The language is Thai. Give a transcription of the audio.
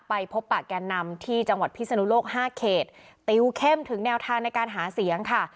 ไปพบปะแก่นำที่จังหวัดพิษณุโลก๕เขต